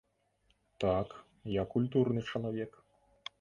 Так, я культурны чалавек!